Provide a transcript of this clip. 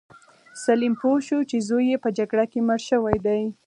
سلیم پوه شو چې زوی یې په جګړه کې مړ شوی دی.